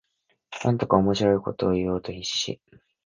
なんとか面白いことを言おうと必死